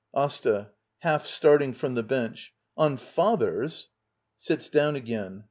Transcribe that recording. Asta. [Half starting from the bench.] ^^ On — father's? [Sits down again.